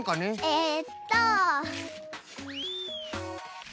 えっと。